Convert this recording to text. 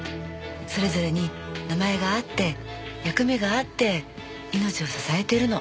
それぞれに名前があって役目があって命を支えているの。